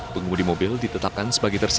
pengemudi mobil ditetapkan sebagai tersangka